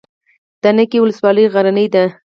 د نکې ولسوالۍ غرنۍ ده